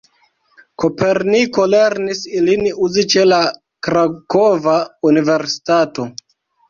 Koperniko lernis ilin uzi ĉe la Krakova universitato.